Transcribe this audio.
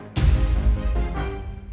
lo baca pikiran gue